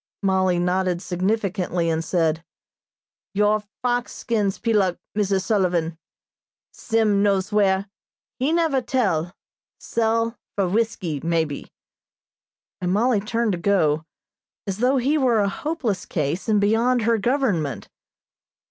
Mollie nodded significantly and said: "Your fox skins peeluk, Mrs. Sullivan. Sim knows where he never tell sell for whiskey, maybe," and Mollie turned to go, as though he were a hopeless case, and beyond her government.